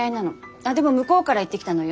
ああでも向こうから言ってきたのよ